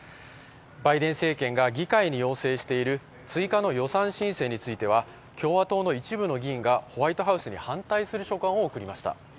バイデン政権が議会に要請している追加の予算申請については共和党の一部の議員がホワイトハウスに反対する書簡を送りました。